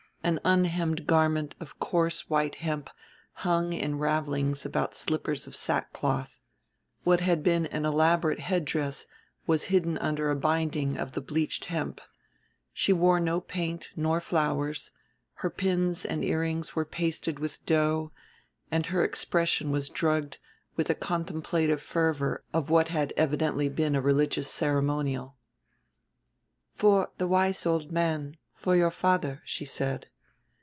An unhemmed garment of coarse white hemp hung in ravelings about slippers of sackcloth; what had been an elaborate headdress was hidden under a binding of the bleached hemp; she wore no paint nor flowers; her pins and earrings were pasted with dough, and her expression was drugged with the contemplative fervor of what had evidently been a religious ceremonial. "For the wise old man, for your father," she said.